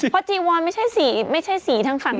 พอจีวัลไม่ใช่สีไม่ใช่สีทั้งขันเลย